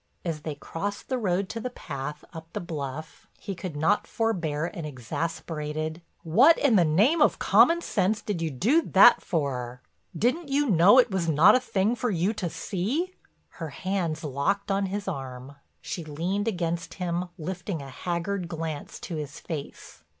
As they crossed the road to the path up the bluff he could not forbear an exasperated: "What in the name of common sense did you do that for? Didn't you know it was not a thing for you to see?" Her hands locked on his arm; she leaned against him lifting a haggard glance to his face.